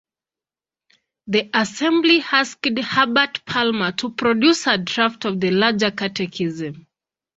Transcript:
The Assembly asked Herbert Palmer to produce a draft of the Larger Catechism.